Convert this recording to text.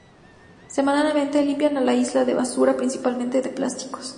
Semanalmente limpian a la isla de basura, principalmente de plásticos.